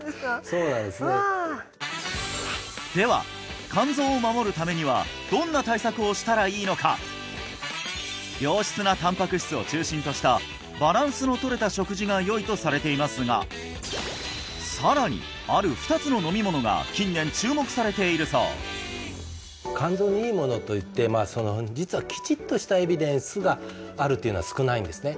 そうなんですねうわでは良質なたんぱく質を中心としたバランスのとれた食事がよいとされていますがさらにある２つの飲み物が近年注目されているそう肝臓にいいものといって実はきちっとしたエビデンスがあるっていうのは少ないんですね